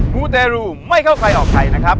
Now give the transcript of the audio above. มูเตรูไม่เข้าใครออกใครนะครับ